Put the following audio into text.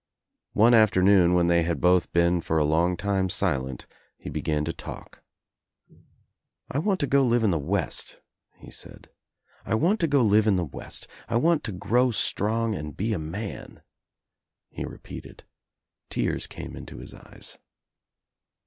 One afternoon when they had both been for a long time silent he began to talk. "I want to go live In the West," he said. "I want to go live in the West. I want to grow strong and be a man," he repeated. , Tears came Into his eyes.